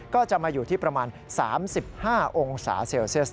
ก็จะมาอยู่ที่ประมาณ๓๕องศาเซลเซียส